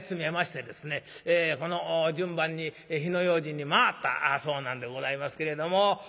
順番に火の用心に回ったそうなんでございますけれども。